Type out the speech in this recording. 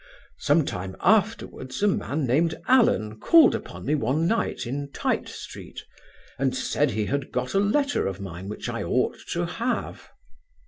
"Some time afterwards a man named Allen called upon me one night in Tite Street, and said he had got a letter of mine which I ought to have.